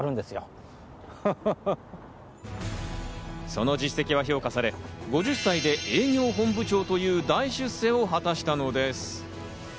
その実績を評価され、５０歳で営業本部長という大出世を果たしたのです。